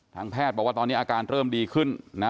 แพทย์บอกว่าตอนนี้อาการเริ่มดีขึ้นนะ